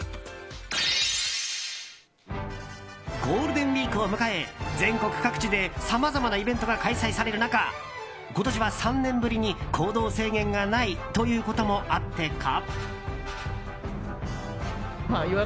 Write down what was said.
ゴールデンウィークを迎え全国各地でさまざまなイベントが開催される中今年は３年ぶりに行動制限がないこともあってか。